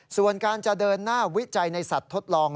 ส่วนการจะเดินหน้าวิจัยในสัตว์ทดลอง